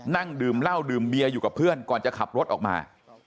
นั่งดื่มเหล้าดื่มเบียอยู่กับเพื่อนก่อนจะขับรถออกมา